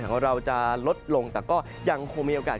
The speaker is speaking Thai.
ของเราจะลดลงแต่ก็ยังคงมีโอกาส